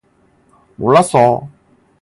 몰랐어.